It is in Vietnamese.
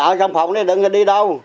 ờ ở trong phòng thì đừng có đi đâu